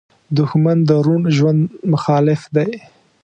دښمن د روڼ ژوند مخالف دی